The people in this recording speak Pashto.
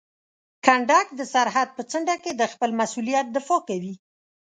کنډک د سرحد په څنډه کې د خپل مسؤلیت دفاع کوي.